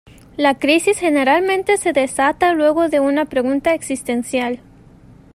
La crisis generalmente se desata luego de una pregunta existencial.